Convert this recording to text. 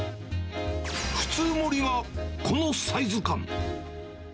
普通盛りはこのサイズ感。